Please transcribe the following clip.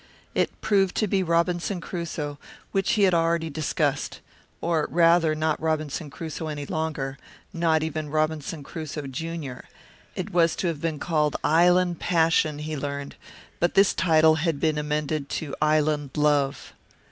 It proved to be Robinson Crusoe, which he had already discussed. Or, rather, not Robinson Crusoe any longer. Not even Robinson Crusoe, Junior. It was to have been called Island Passion, he learned, but this title had been amended to Island Love.